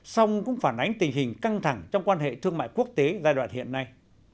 song cũng phản ánh tình hình căng thẳng trong quan hệ thương mại quốc tế giai đoạn hiện nay